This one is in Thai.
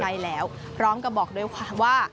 ใช่แล้วพร้อมกับบอกด้วยความว่า